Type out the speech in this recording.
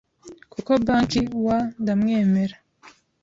kuko Banky W ndamwera,